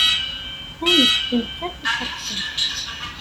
Anef, d nekk ara ixellṣen.